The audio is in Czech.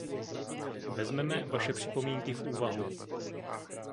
Vezmeme vaše připomínky v úvahu.